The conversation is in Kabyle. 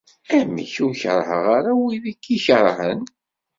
Amek ur kerrheɣ ara wid i k-ikerhen?